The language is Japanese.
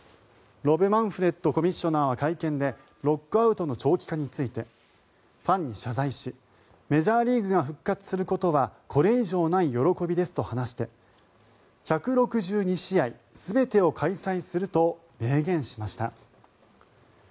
ロブ・マンフレッドコミッショナーは会見でロックアウトの長期化についてファンに謝罪しメジャーリーグが復活することはこれ以上ない喜びですと話して１６２試合全てを開催すると明言しました。